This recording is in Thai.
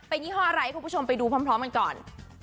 เป็นยี่ห้ออะไรคุณผู้ชมไปดูพร้อมกันก่อน